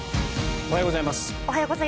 おはようございます。